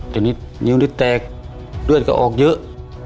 ทีนี้นิ้วได้แตกเลือดก็ออกเยอะ